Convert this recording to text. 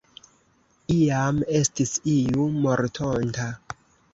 Iam estis iu mortonta.